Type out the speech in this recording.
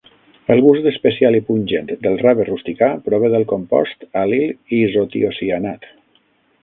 El gust especial i pungent del rave rusticà prové del compost alil isotiocianat.